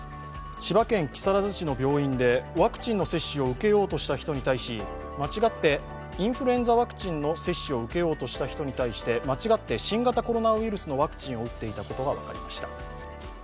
千葉県木更津市の病院でワクチンの接種を受けようとした人に対しインフルエンザのワクチンの接種を受けようとした人に対して間違って新型コロナウイルスのワクチンを打っていたことが分かりました。